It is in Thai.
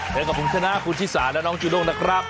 แล้วก็คุณชนะคุณชิสาและน้องจุดงนะครับ